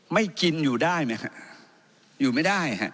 ไม่กินอยู่ได้มั้ยเหมือนอยู่ไม่ได้